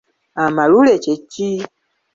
Amalule kye ki?